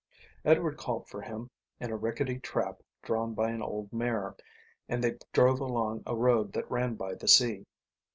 Edward called for him in a rickety trap drawn by an old mare, and they drove along a road that ran by the sea.